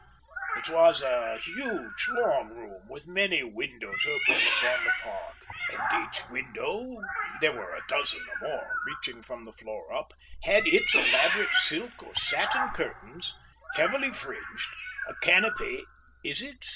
It was a huge long room with many windows opening upon the park, and each window—there were a dozen or more reaching from the floor up—had its elaborate silk or satin curtains, heavily fringed, a canopy (is it?)